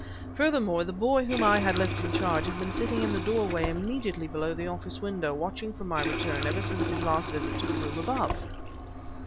Furthermore, the boy whom I had left in charge had been sitting in the doorway immediately below the office window watching for my return ever since his last visit to the room above..."